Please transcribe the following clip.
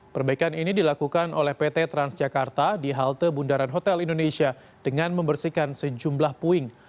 perbaikan ini dilakukan oleh pt transjakarta di halte bundaran hotel indonesia dengan membersihkan sejumlah puing